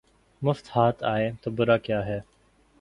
مفت ہاتھ آئے تو برا کیا ہے